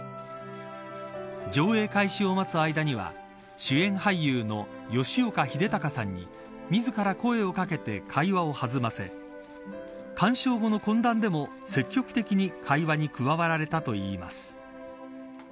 上映開始を待つ間には主演俳優の吉岡秀隆さんに自ら声を掛けて会話を弾ませ鑑賞後の懇談でも、積極的に会話に加わられたといいます。